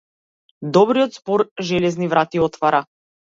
Добриот збор железни врати отвара.